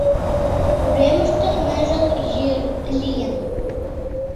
Уремыште ныжыл йӱр лийын